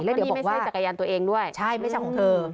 แล้วเดี๋ยวบอกว่าจักรยานตัวเองด้วยใช่ไม่ใช่ของเธอ